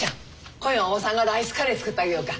今夜はおばさんがライスカレー作ってあげようか。